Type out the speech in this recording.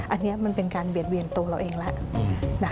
อันนี้มันเป็นการเบียดเวียนตัวเราเองแล้ว